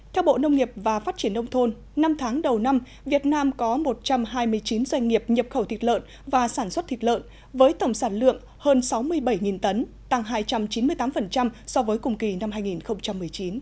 theo bộ nông nghiệp và phát triển nông thôn năm tháng đầu năm việt nam có một trăm hai mươi chín doanh nghiệp nhập khẩu thịt lợn và sản xuất thịt lợn với tổng sản lượng hơn sáu mươi bảy tấn tăng hai trăm chín mươi tám so với cùng kỳ năm hai nghìn một mươi chín